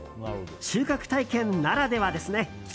収穫体験ならではですね。